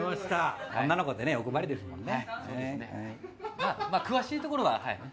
女の子って欲張りですもんね。